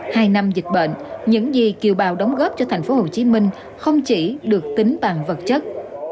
hai năm dịch bệnh những gì kiều bào đóng góp cho thành phố hồ chí minh không chỉ được tính bằng vật chất